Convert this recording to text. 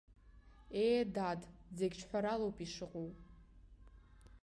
Ее, дад, зегь ҿҳәаралоуп ишыҟоу!